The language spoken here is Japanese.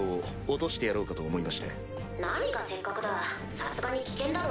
さすがに危険だろ。